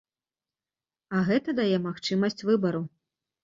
А гэта дае магчымасць выбару.